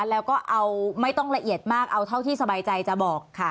แล้วก็เอาไม่ต้องละเอียดมากเอาเท่าที่สบายใจจะบอกค่ะ